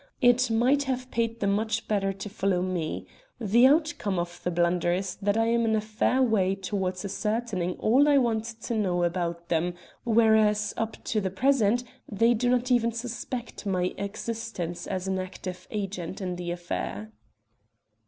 It might have paid them much better to follow me. The outcome of the blunder is that I am in a fair way towards ascertaining all I want to know about them, whereas, up to the present, they do not even suspect my existence as an active agent in the affair."